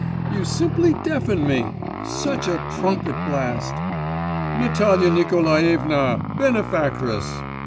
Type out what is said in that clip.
You simply deafen me. Such a trumpet blast!' 'Natalia Nikolaevna! benefactress!